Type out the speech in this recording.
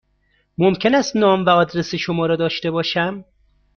ممکن است نام و آدرس شما را داشته باشم؟